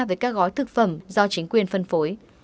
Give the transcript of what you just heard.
với các gói thực phẩm do chính quyền phân phối